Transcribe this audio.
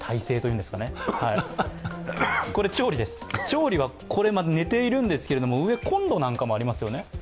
調理は寝ているんですけれども、上にこんろなんかもありますよね。